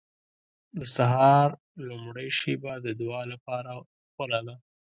• د سهار لومړۍ شېبه د دعا لپاره غوره ده.